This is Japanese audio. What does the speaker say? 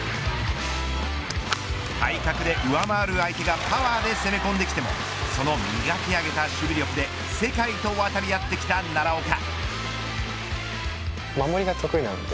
体格で上回る相手がパワーで攻め込んできてもその磨き上げた守備力で世界と渡り合ってきた奈良岡。